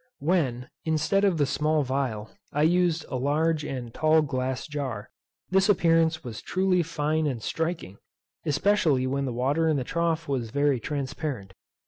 When, instead of the small phial, I used a large and tall glass jar, this appearance was truly fine and striking, especially when the water in the trough was very transparent.